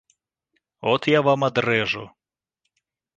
От я вам адрэжу.